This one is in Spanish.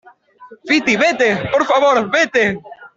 Fiti, vete , por favor. vete .